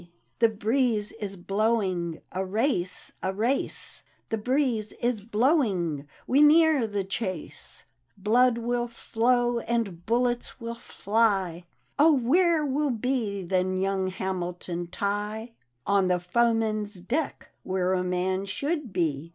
The breeze is blowing — a race I a race I The breeze is blowing — we near the chase 1 Blood will flow, and bullets will fly, — Oh, where will be then young Hamilton Tig^c? "" On the foeman's deck, where a man should be.